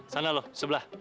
sana lo sebelah